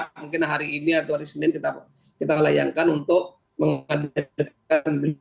mungkin hari ini atau hari senin kita layankan untuk menghadirkan